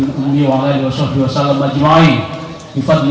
dan kepada seluruh